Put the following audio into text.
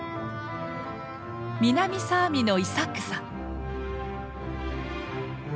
南サーミのイサックさん。